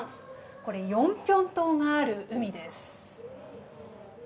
これヨンピョン島がある海です。